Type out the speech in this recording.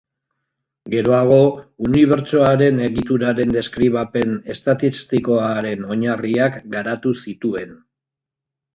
Gerorago, unibertsoaren egituraren deskribapen estatistikoaren oinarriak garatu zituen.